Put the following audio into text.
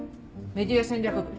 メディア戦略部。